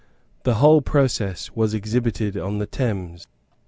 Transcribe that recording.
The whole process was exhibited on the Thames.